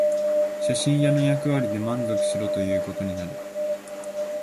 写真屋の役割で満足しろということになる